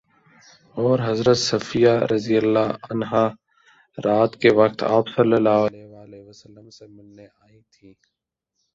اور حضرت صفیہ رضی اللہ عنہا رات کے وقت آپ صلی اللہ علیہ وسلم سے ملنے کے لیے آئی تھیں